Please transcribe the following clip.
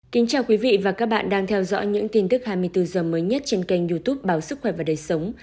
kính chào quý vị và các bạn đang theo dõi những tin tức hai mươi bốn h mới nhất trên kênh youtube báo sức khỏe và đời sống